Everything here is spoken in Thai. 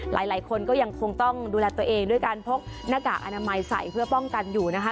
หลายคนก็ยังคงต้องดูแลตัวเองด้วยการพกหน้ากากอนามัยใส่เพื่อป้องกันอยู่นะคะ